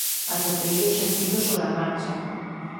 Atopeille o sentido sobre a marcha